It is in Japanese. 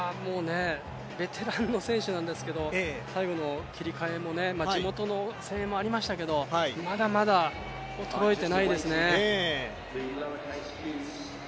ベテランの選手なんですけど最後の切り替えも地元の声援もありましたけどまだまだ衰えてないですね。